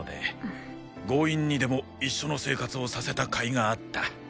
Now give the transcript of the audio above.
強引にでも一緒の生活をさせたかいがあった。